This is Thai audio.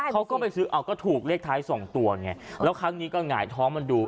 เขาก็ไปซื้อเอาก็ถูกเลขท้ายสองตัวไงแล้วครั้งนี้ก็หงายท้องมันดู